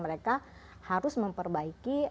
mereka harus memperbaiki